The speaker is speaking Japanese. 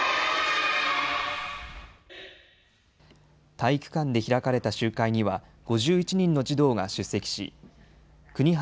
体育館で開かれた集会には５１人の児童が出席し國原